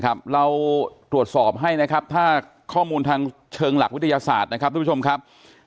ขอบคุณครับทุกผู้ชมครับ